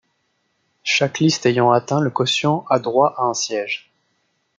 Chaque liste ayant atteint le quotient a droit à un siège.